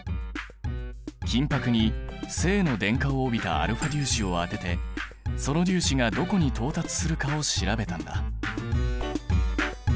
金ぱくに正の電荷を帯びたα粒子を当ててその粒子がどこに到達するかを調べたんだ。